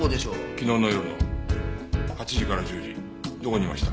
昨日の夜の８時から１０時どこにいました？